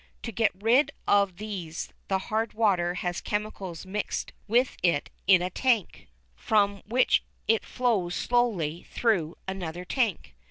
To get rid of these the hard water has chemicals mixed with it in a tank, from which it flows slowly through another tank.